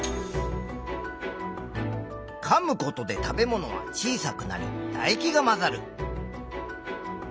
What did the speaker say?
かむことで食べ物は小さくなりだ液が混ざる。